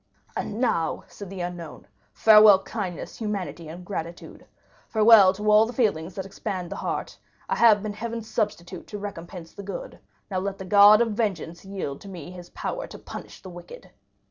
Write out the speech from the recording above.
"And now," said the unknown, "farewell kindness, humanity, and gratitude! Farewell to all the feelings that expand the heart! I have been Heaven's substitute to recompense the good—now the god of vengeance yields to me his power to punish the wicked!"